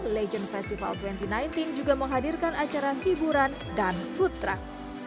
legend festival dua ribu sembilan belas juga menghadirkan acara hiburan dan food truck